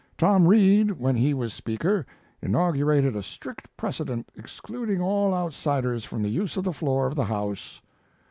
Tom Reed, when he was Speaker, inaugurated a strict precedent excluding all outsiders from the use of the floor of the House."